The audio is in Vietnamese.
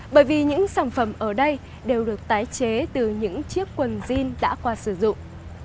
bởi vì những sản phẩm ở đây đều được tái chế từ những chiếc quần jean đã qua sử dụng